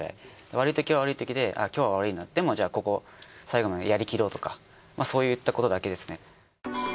悪いときは悪いときで今日は悪いなでもじゃあここ最後までやり切ろうとかそういったことだけですね。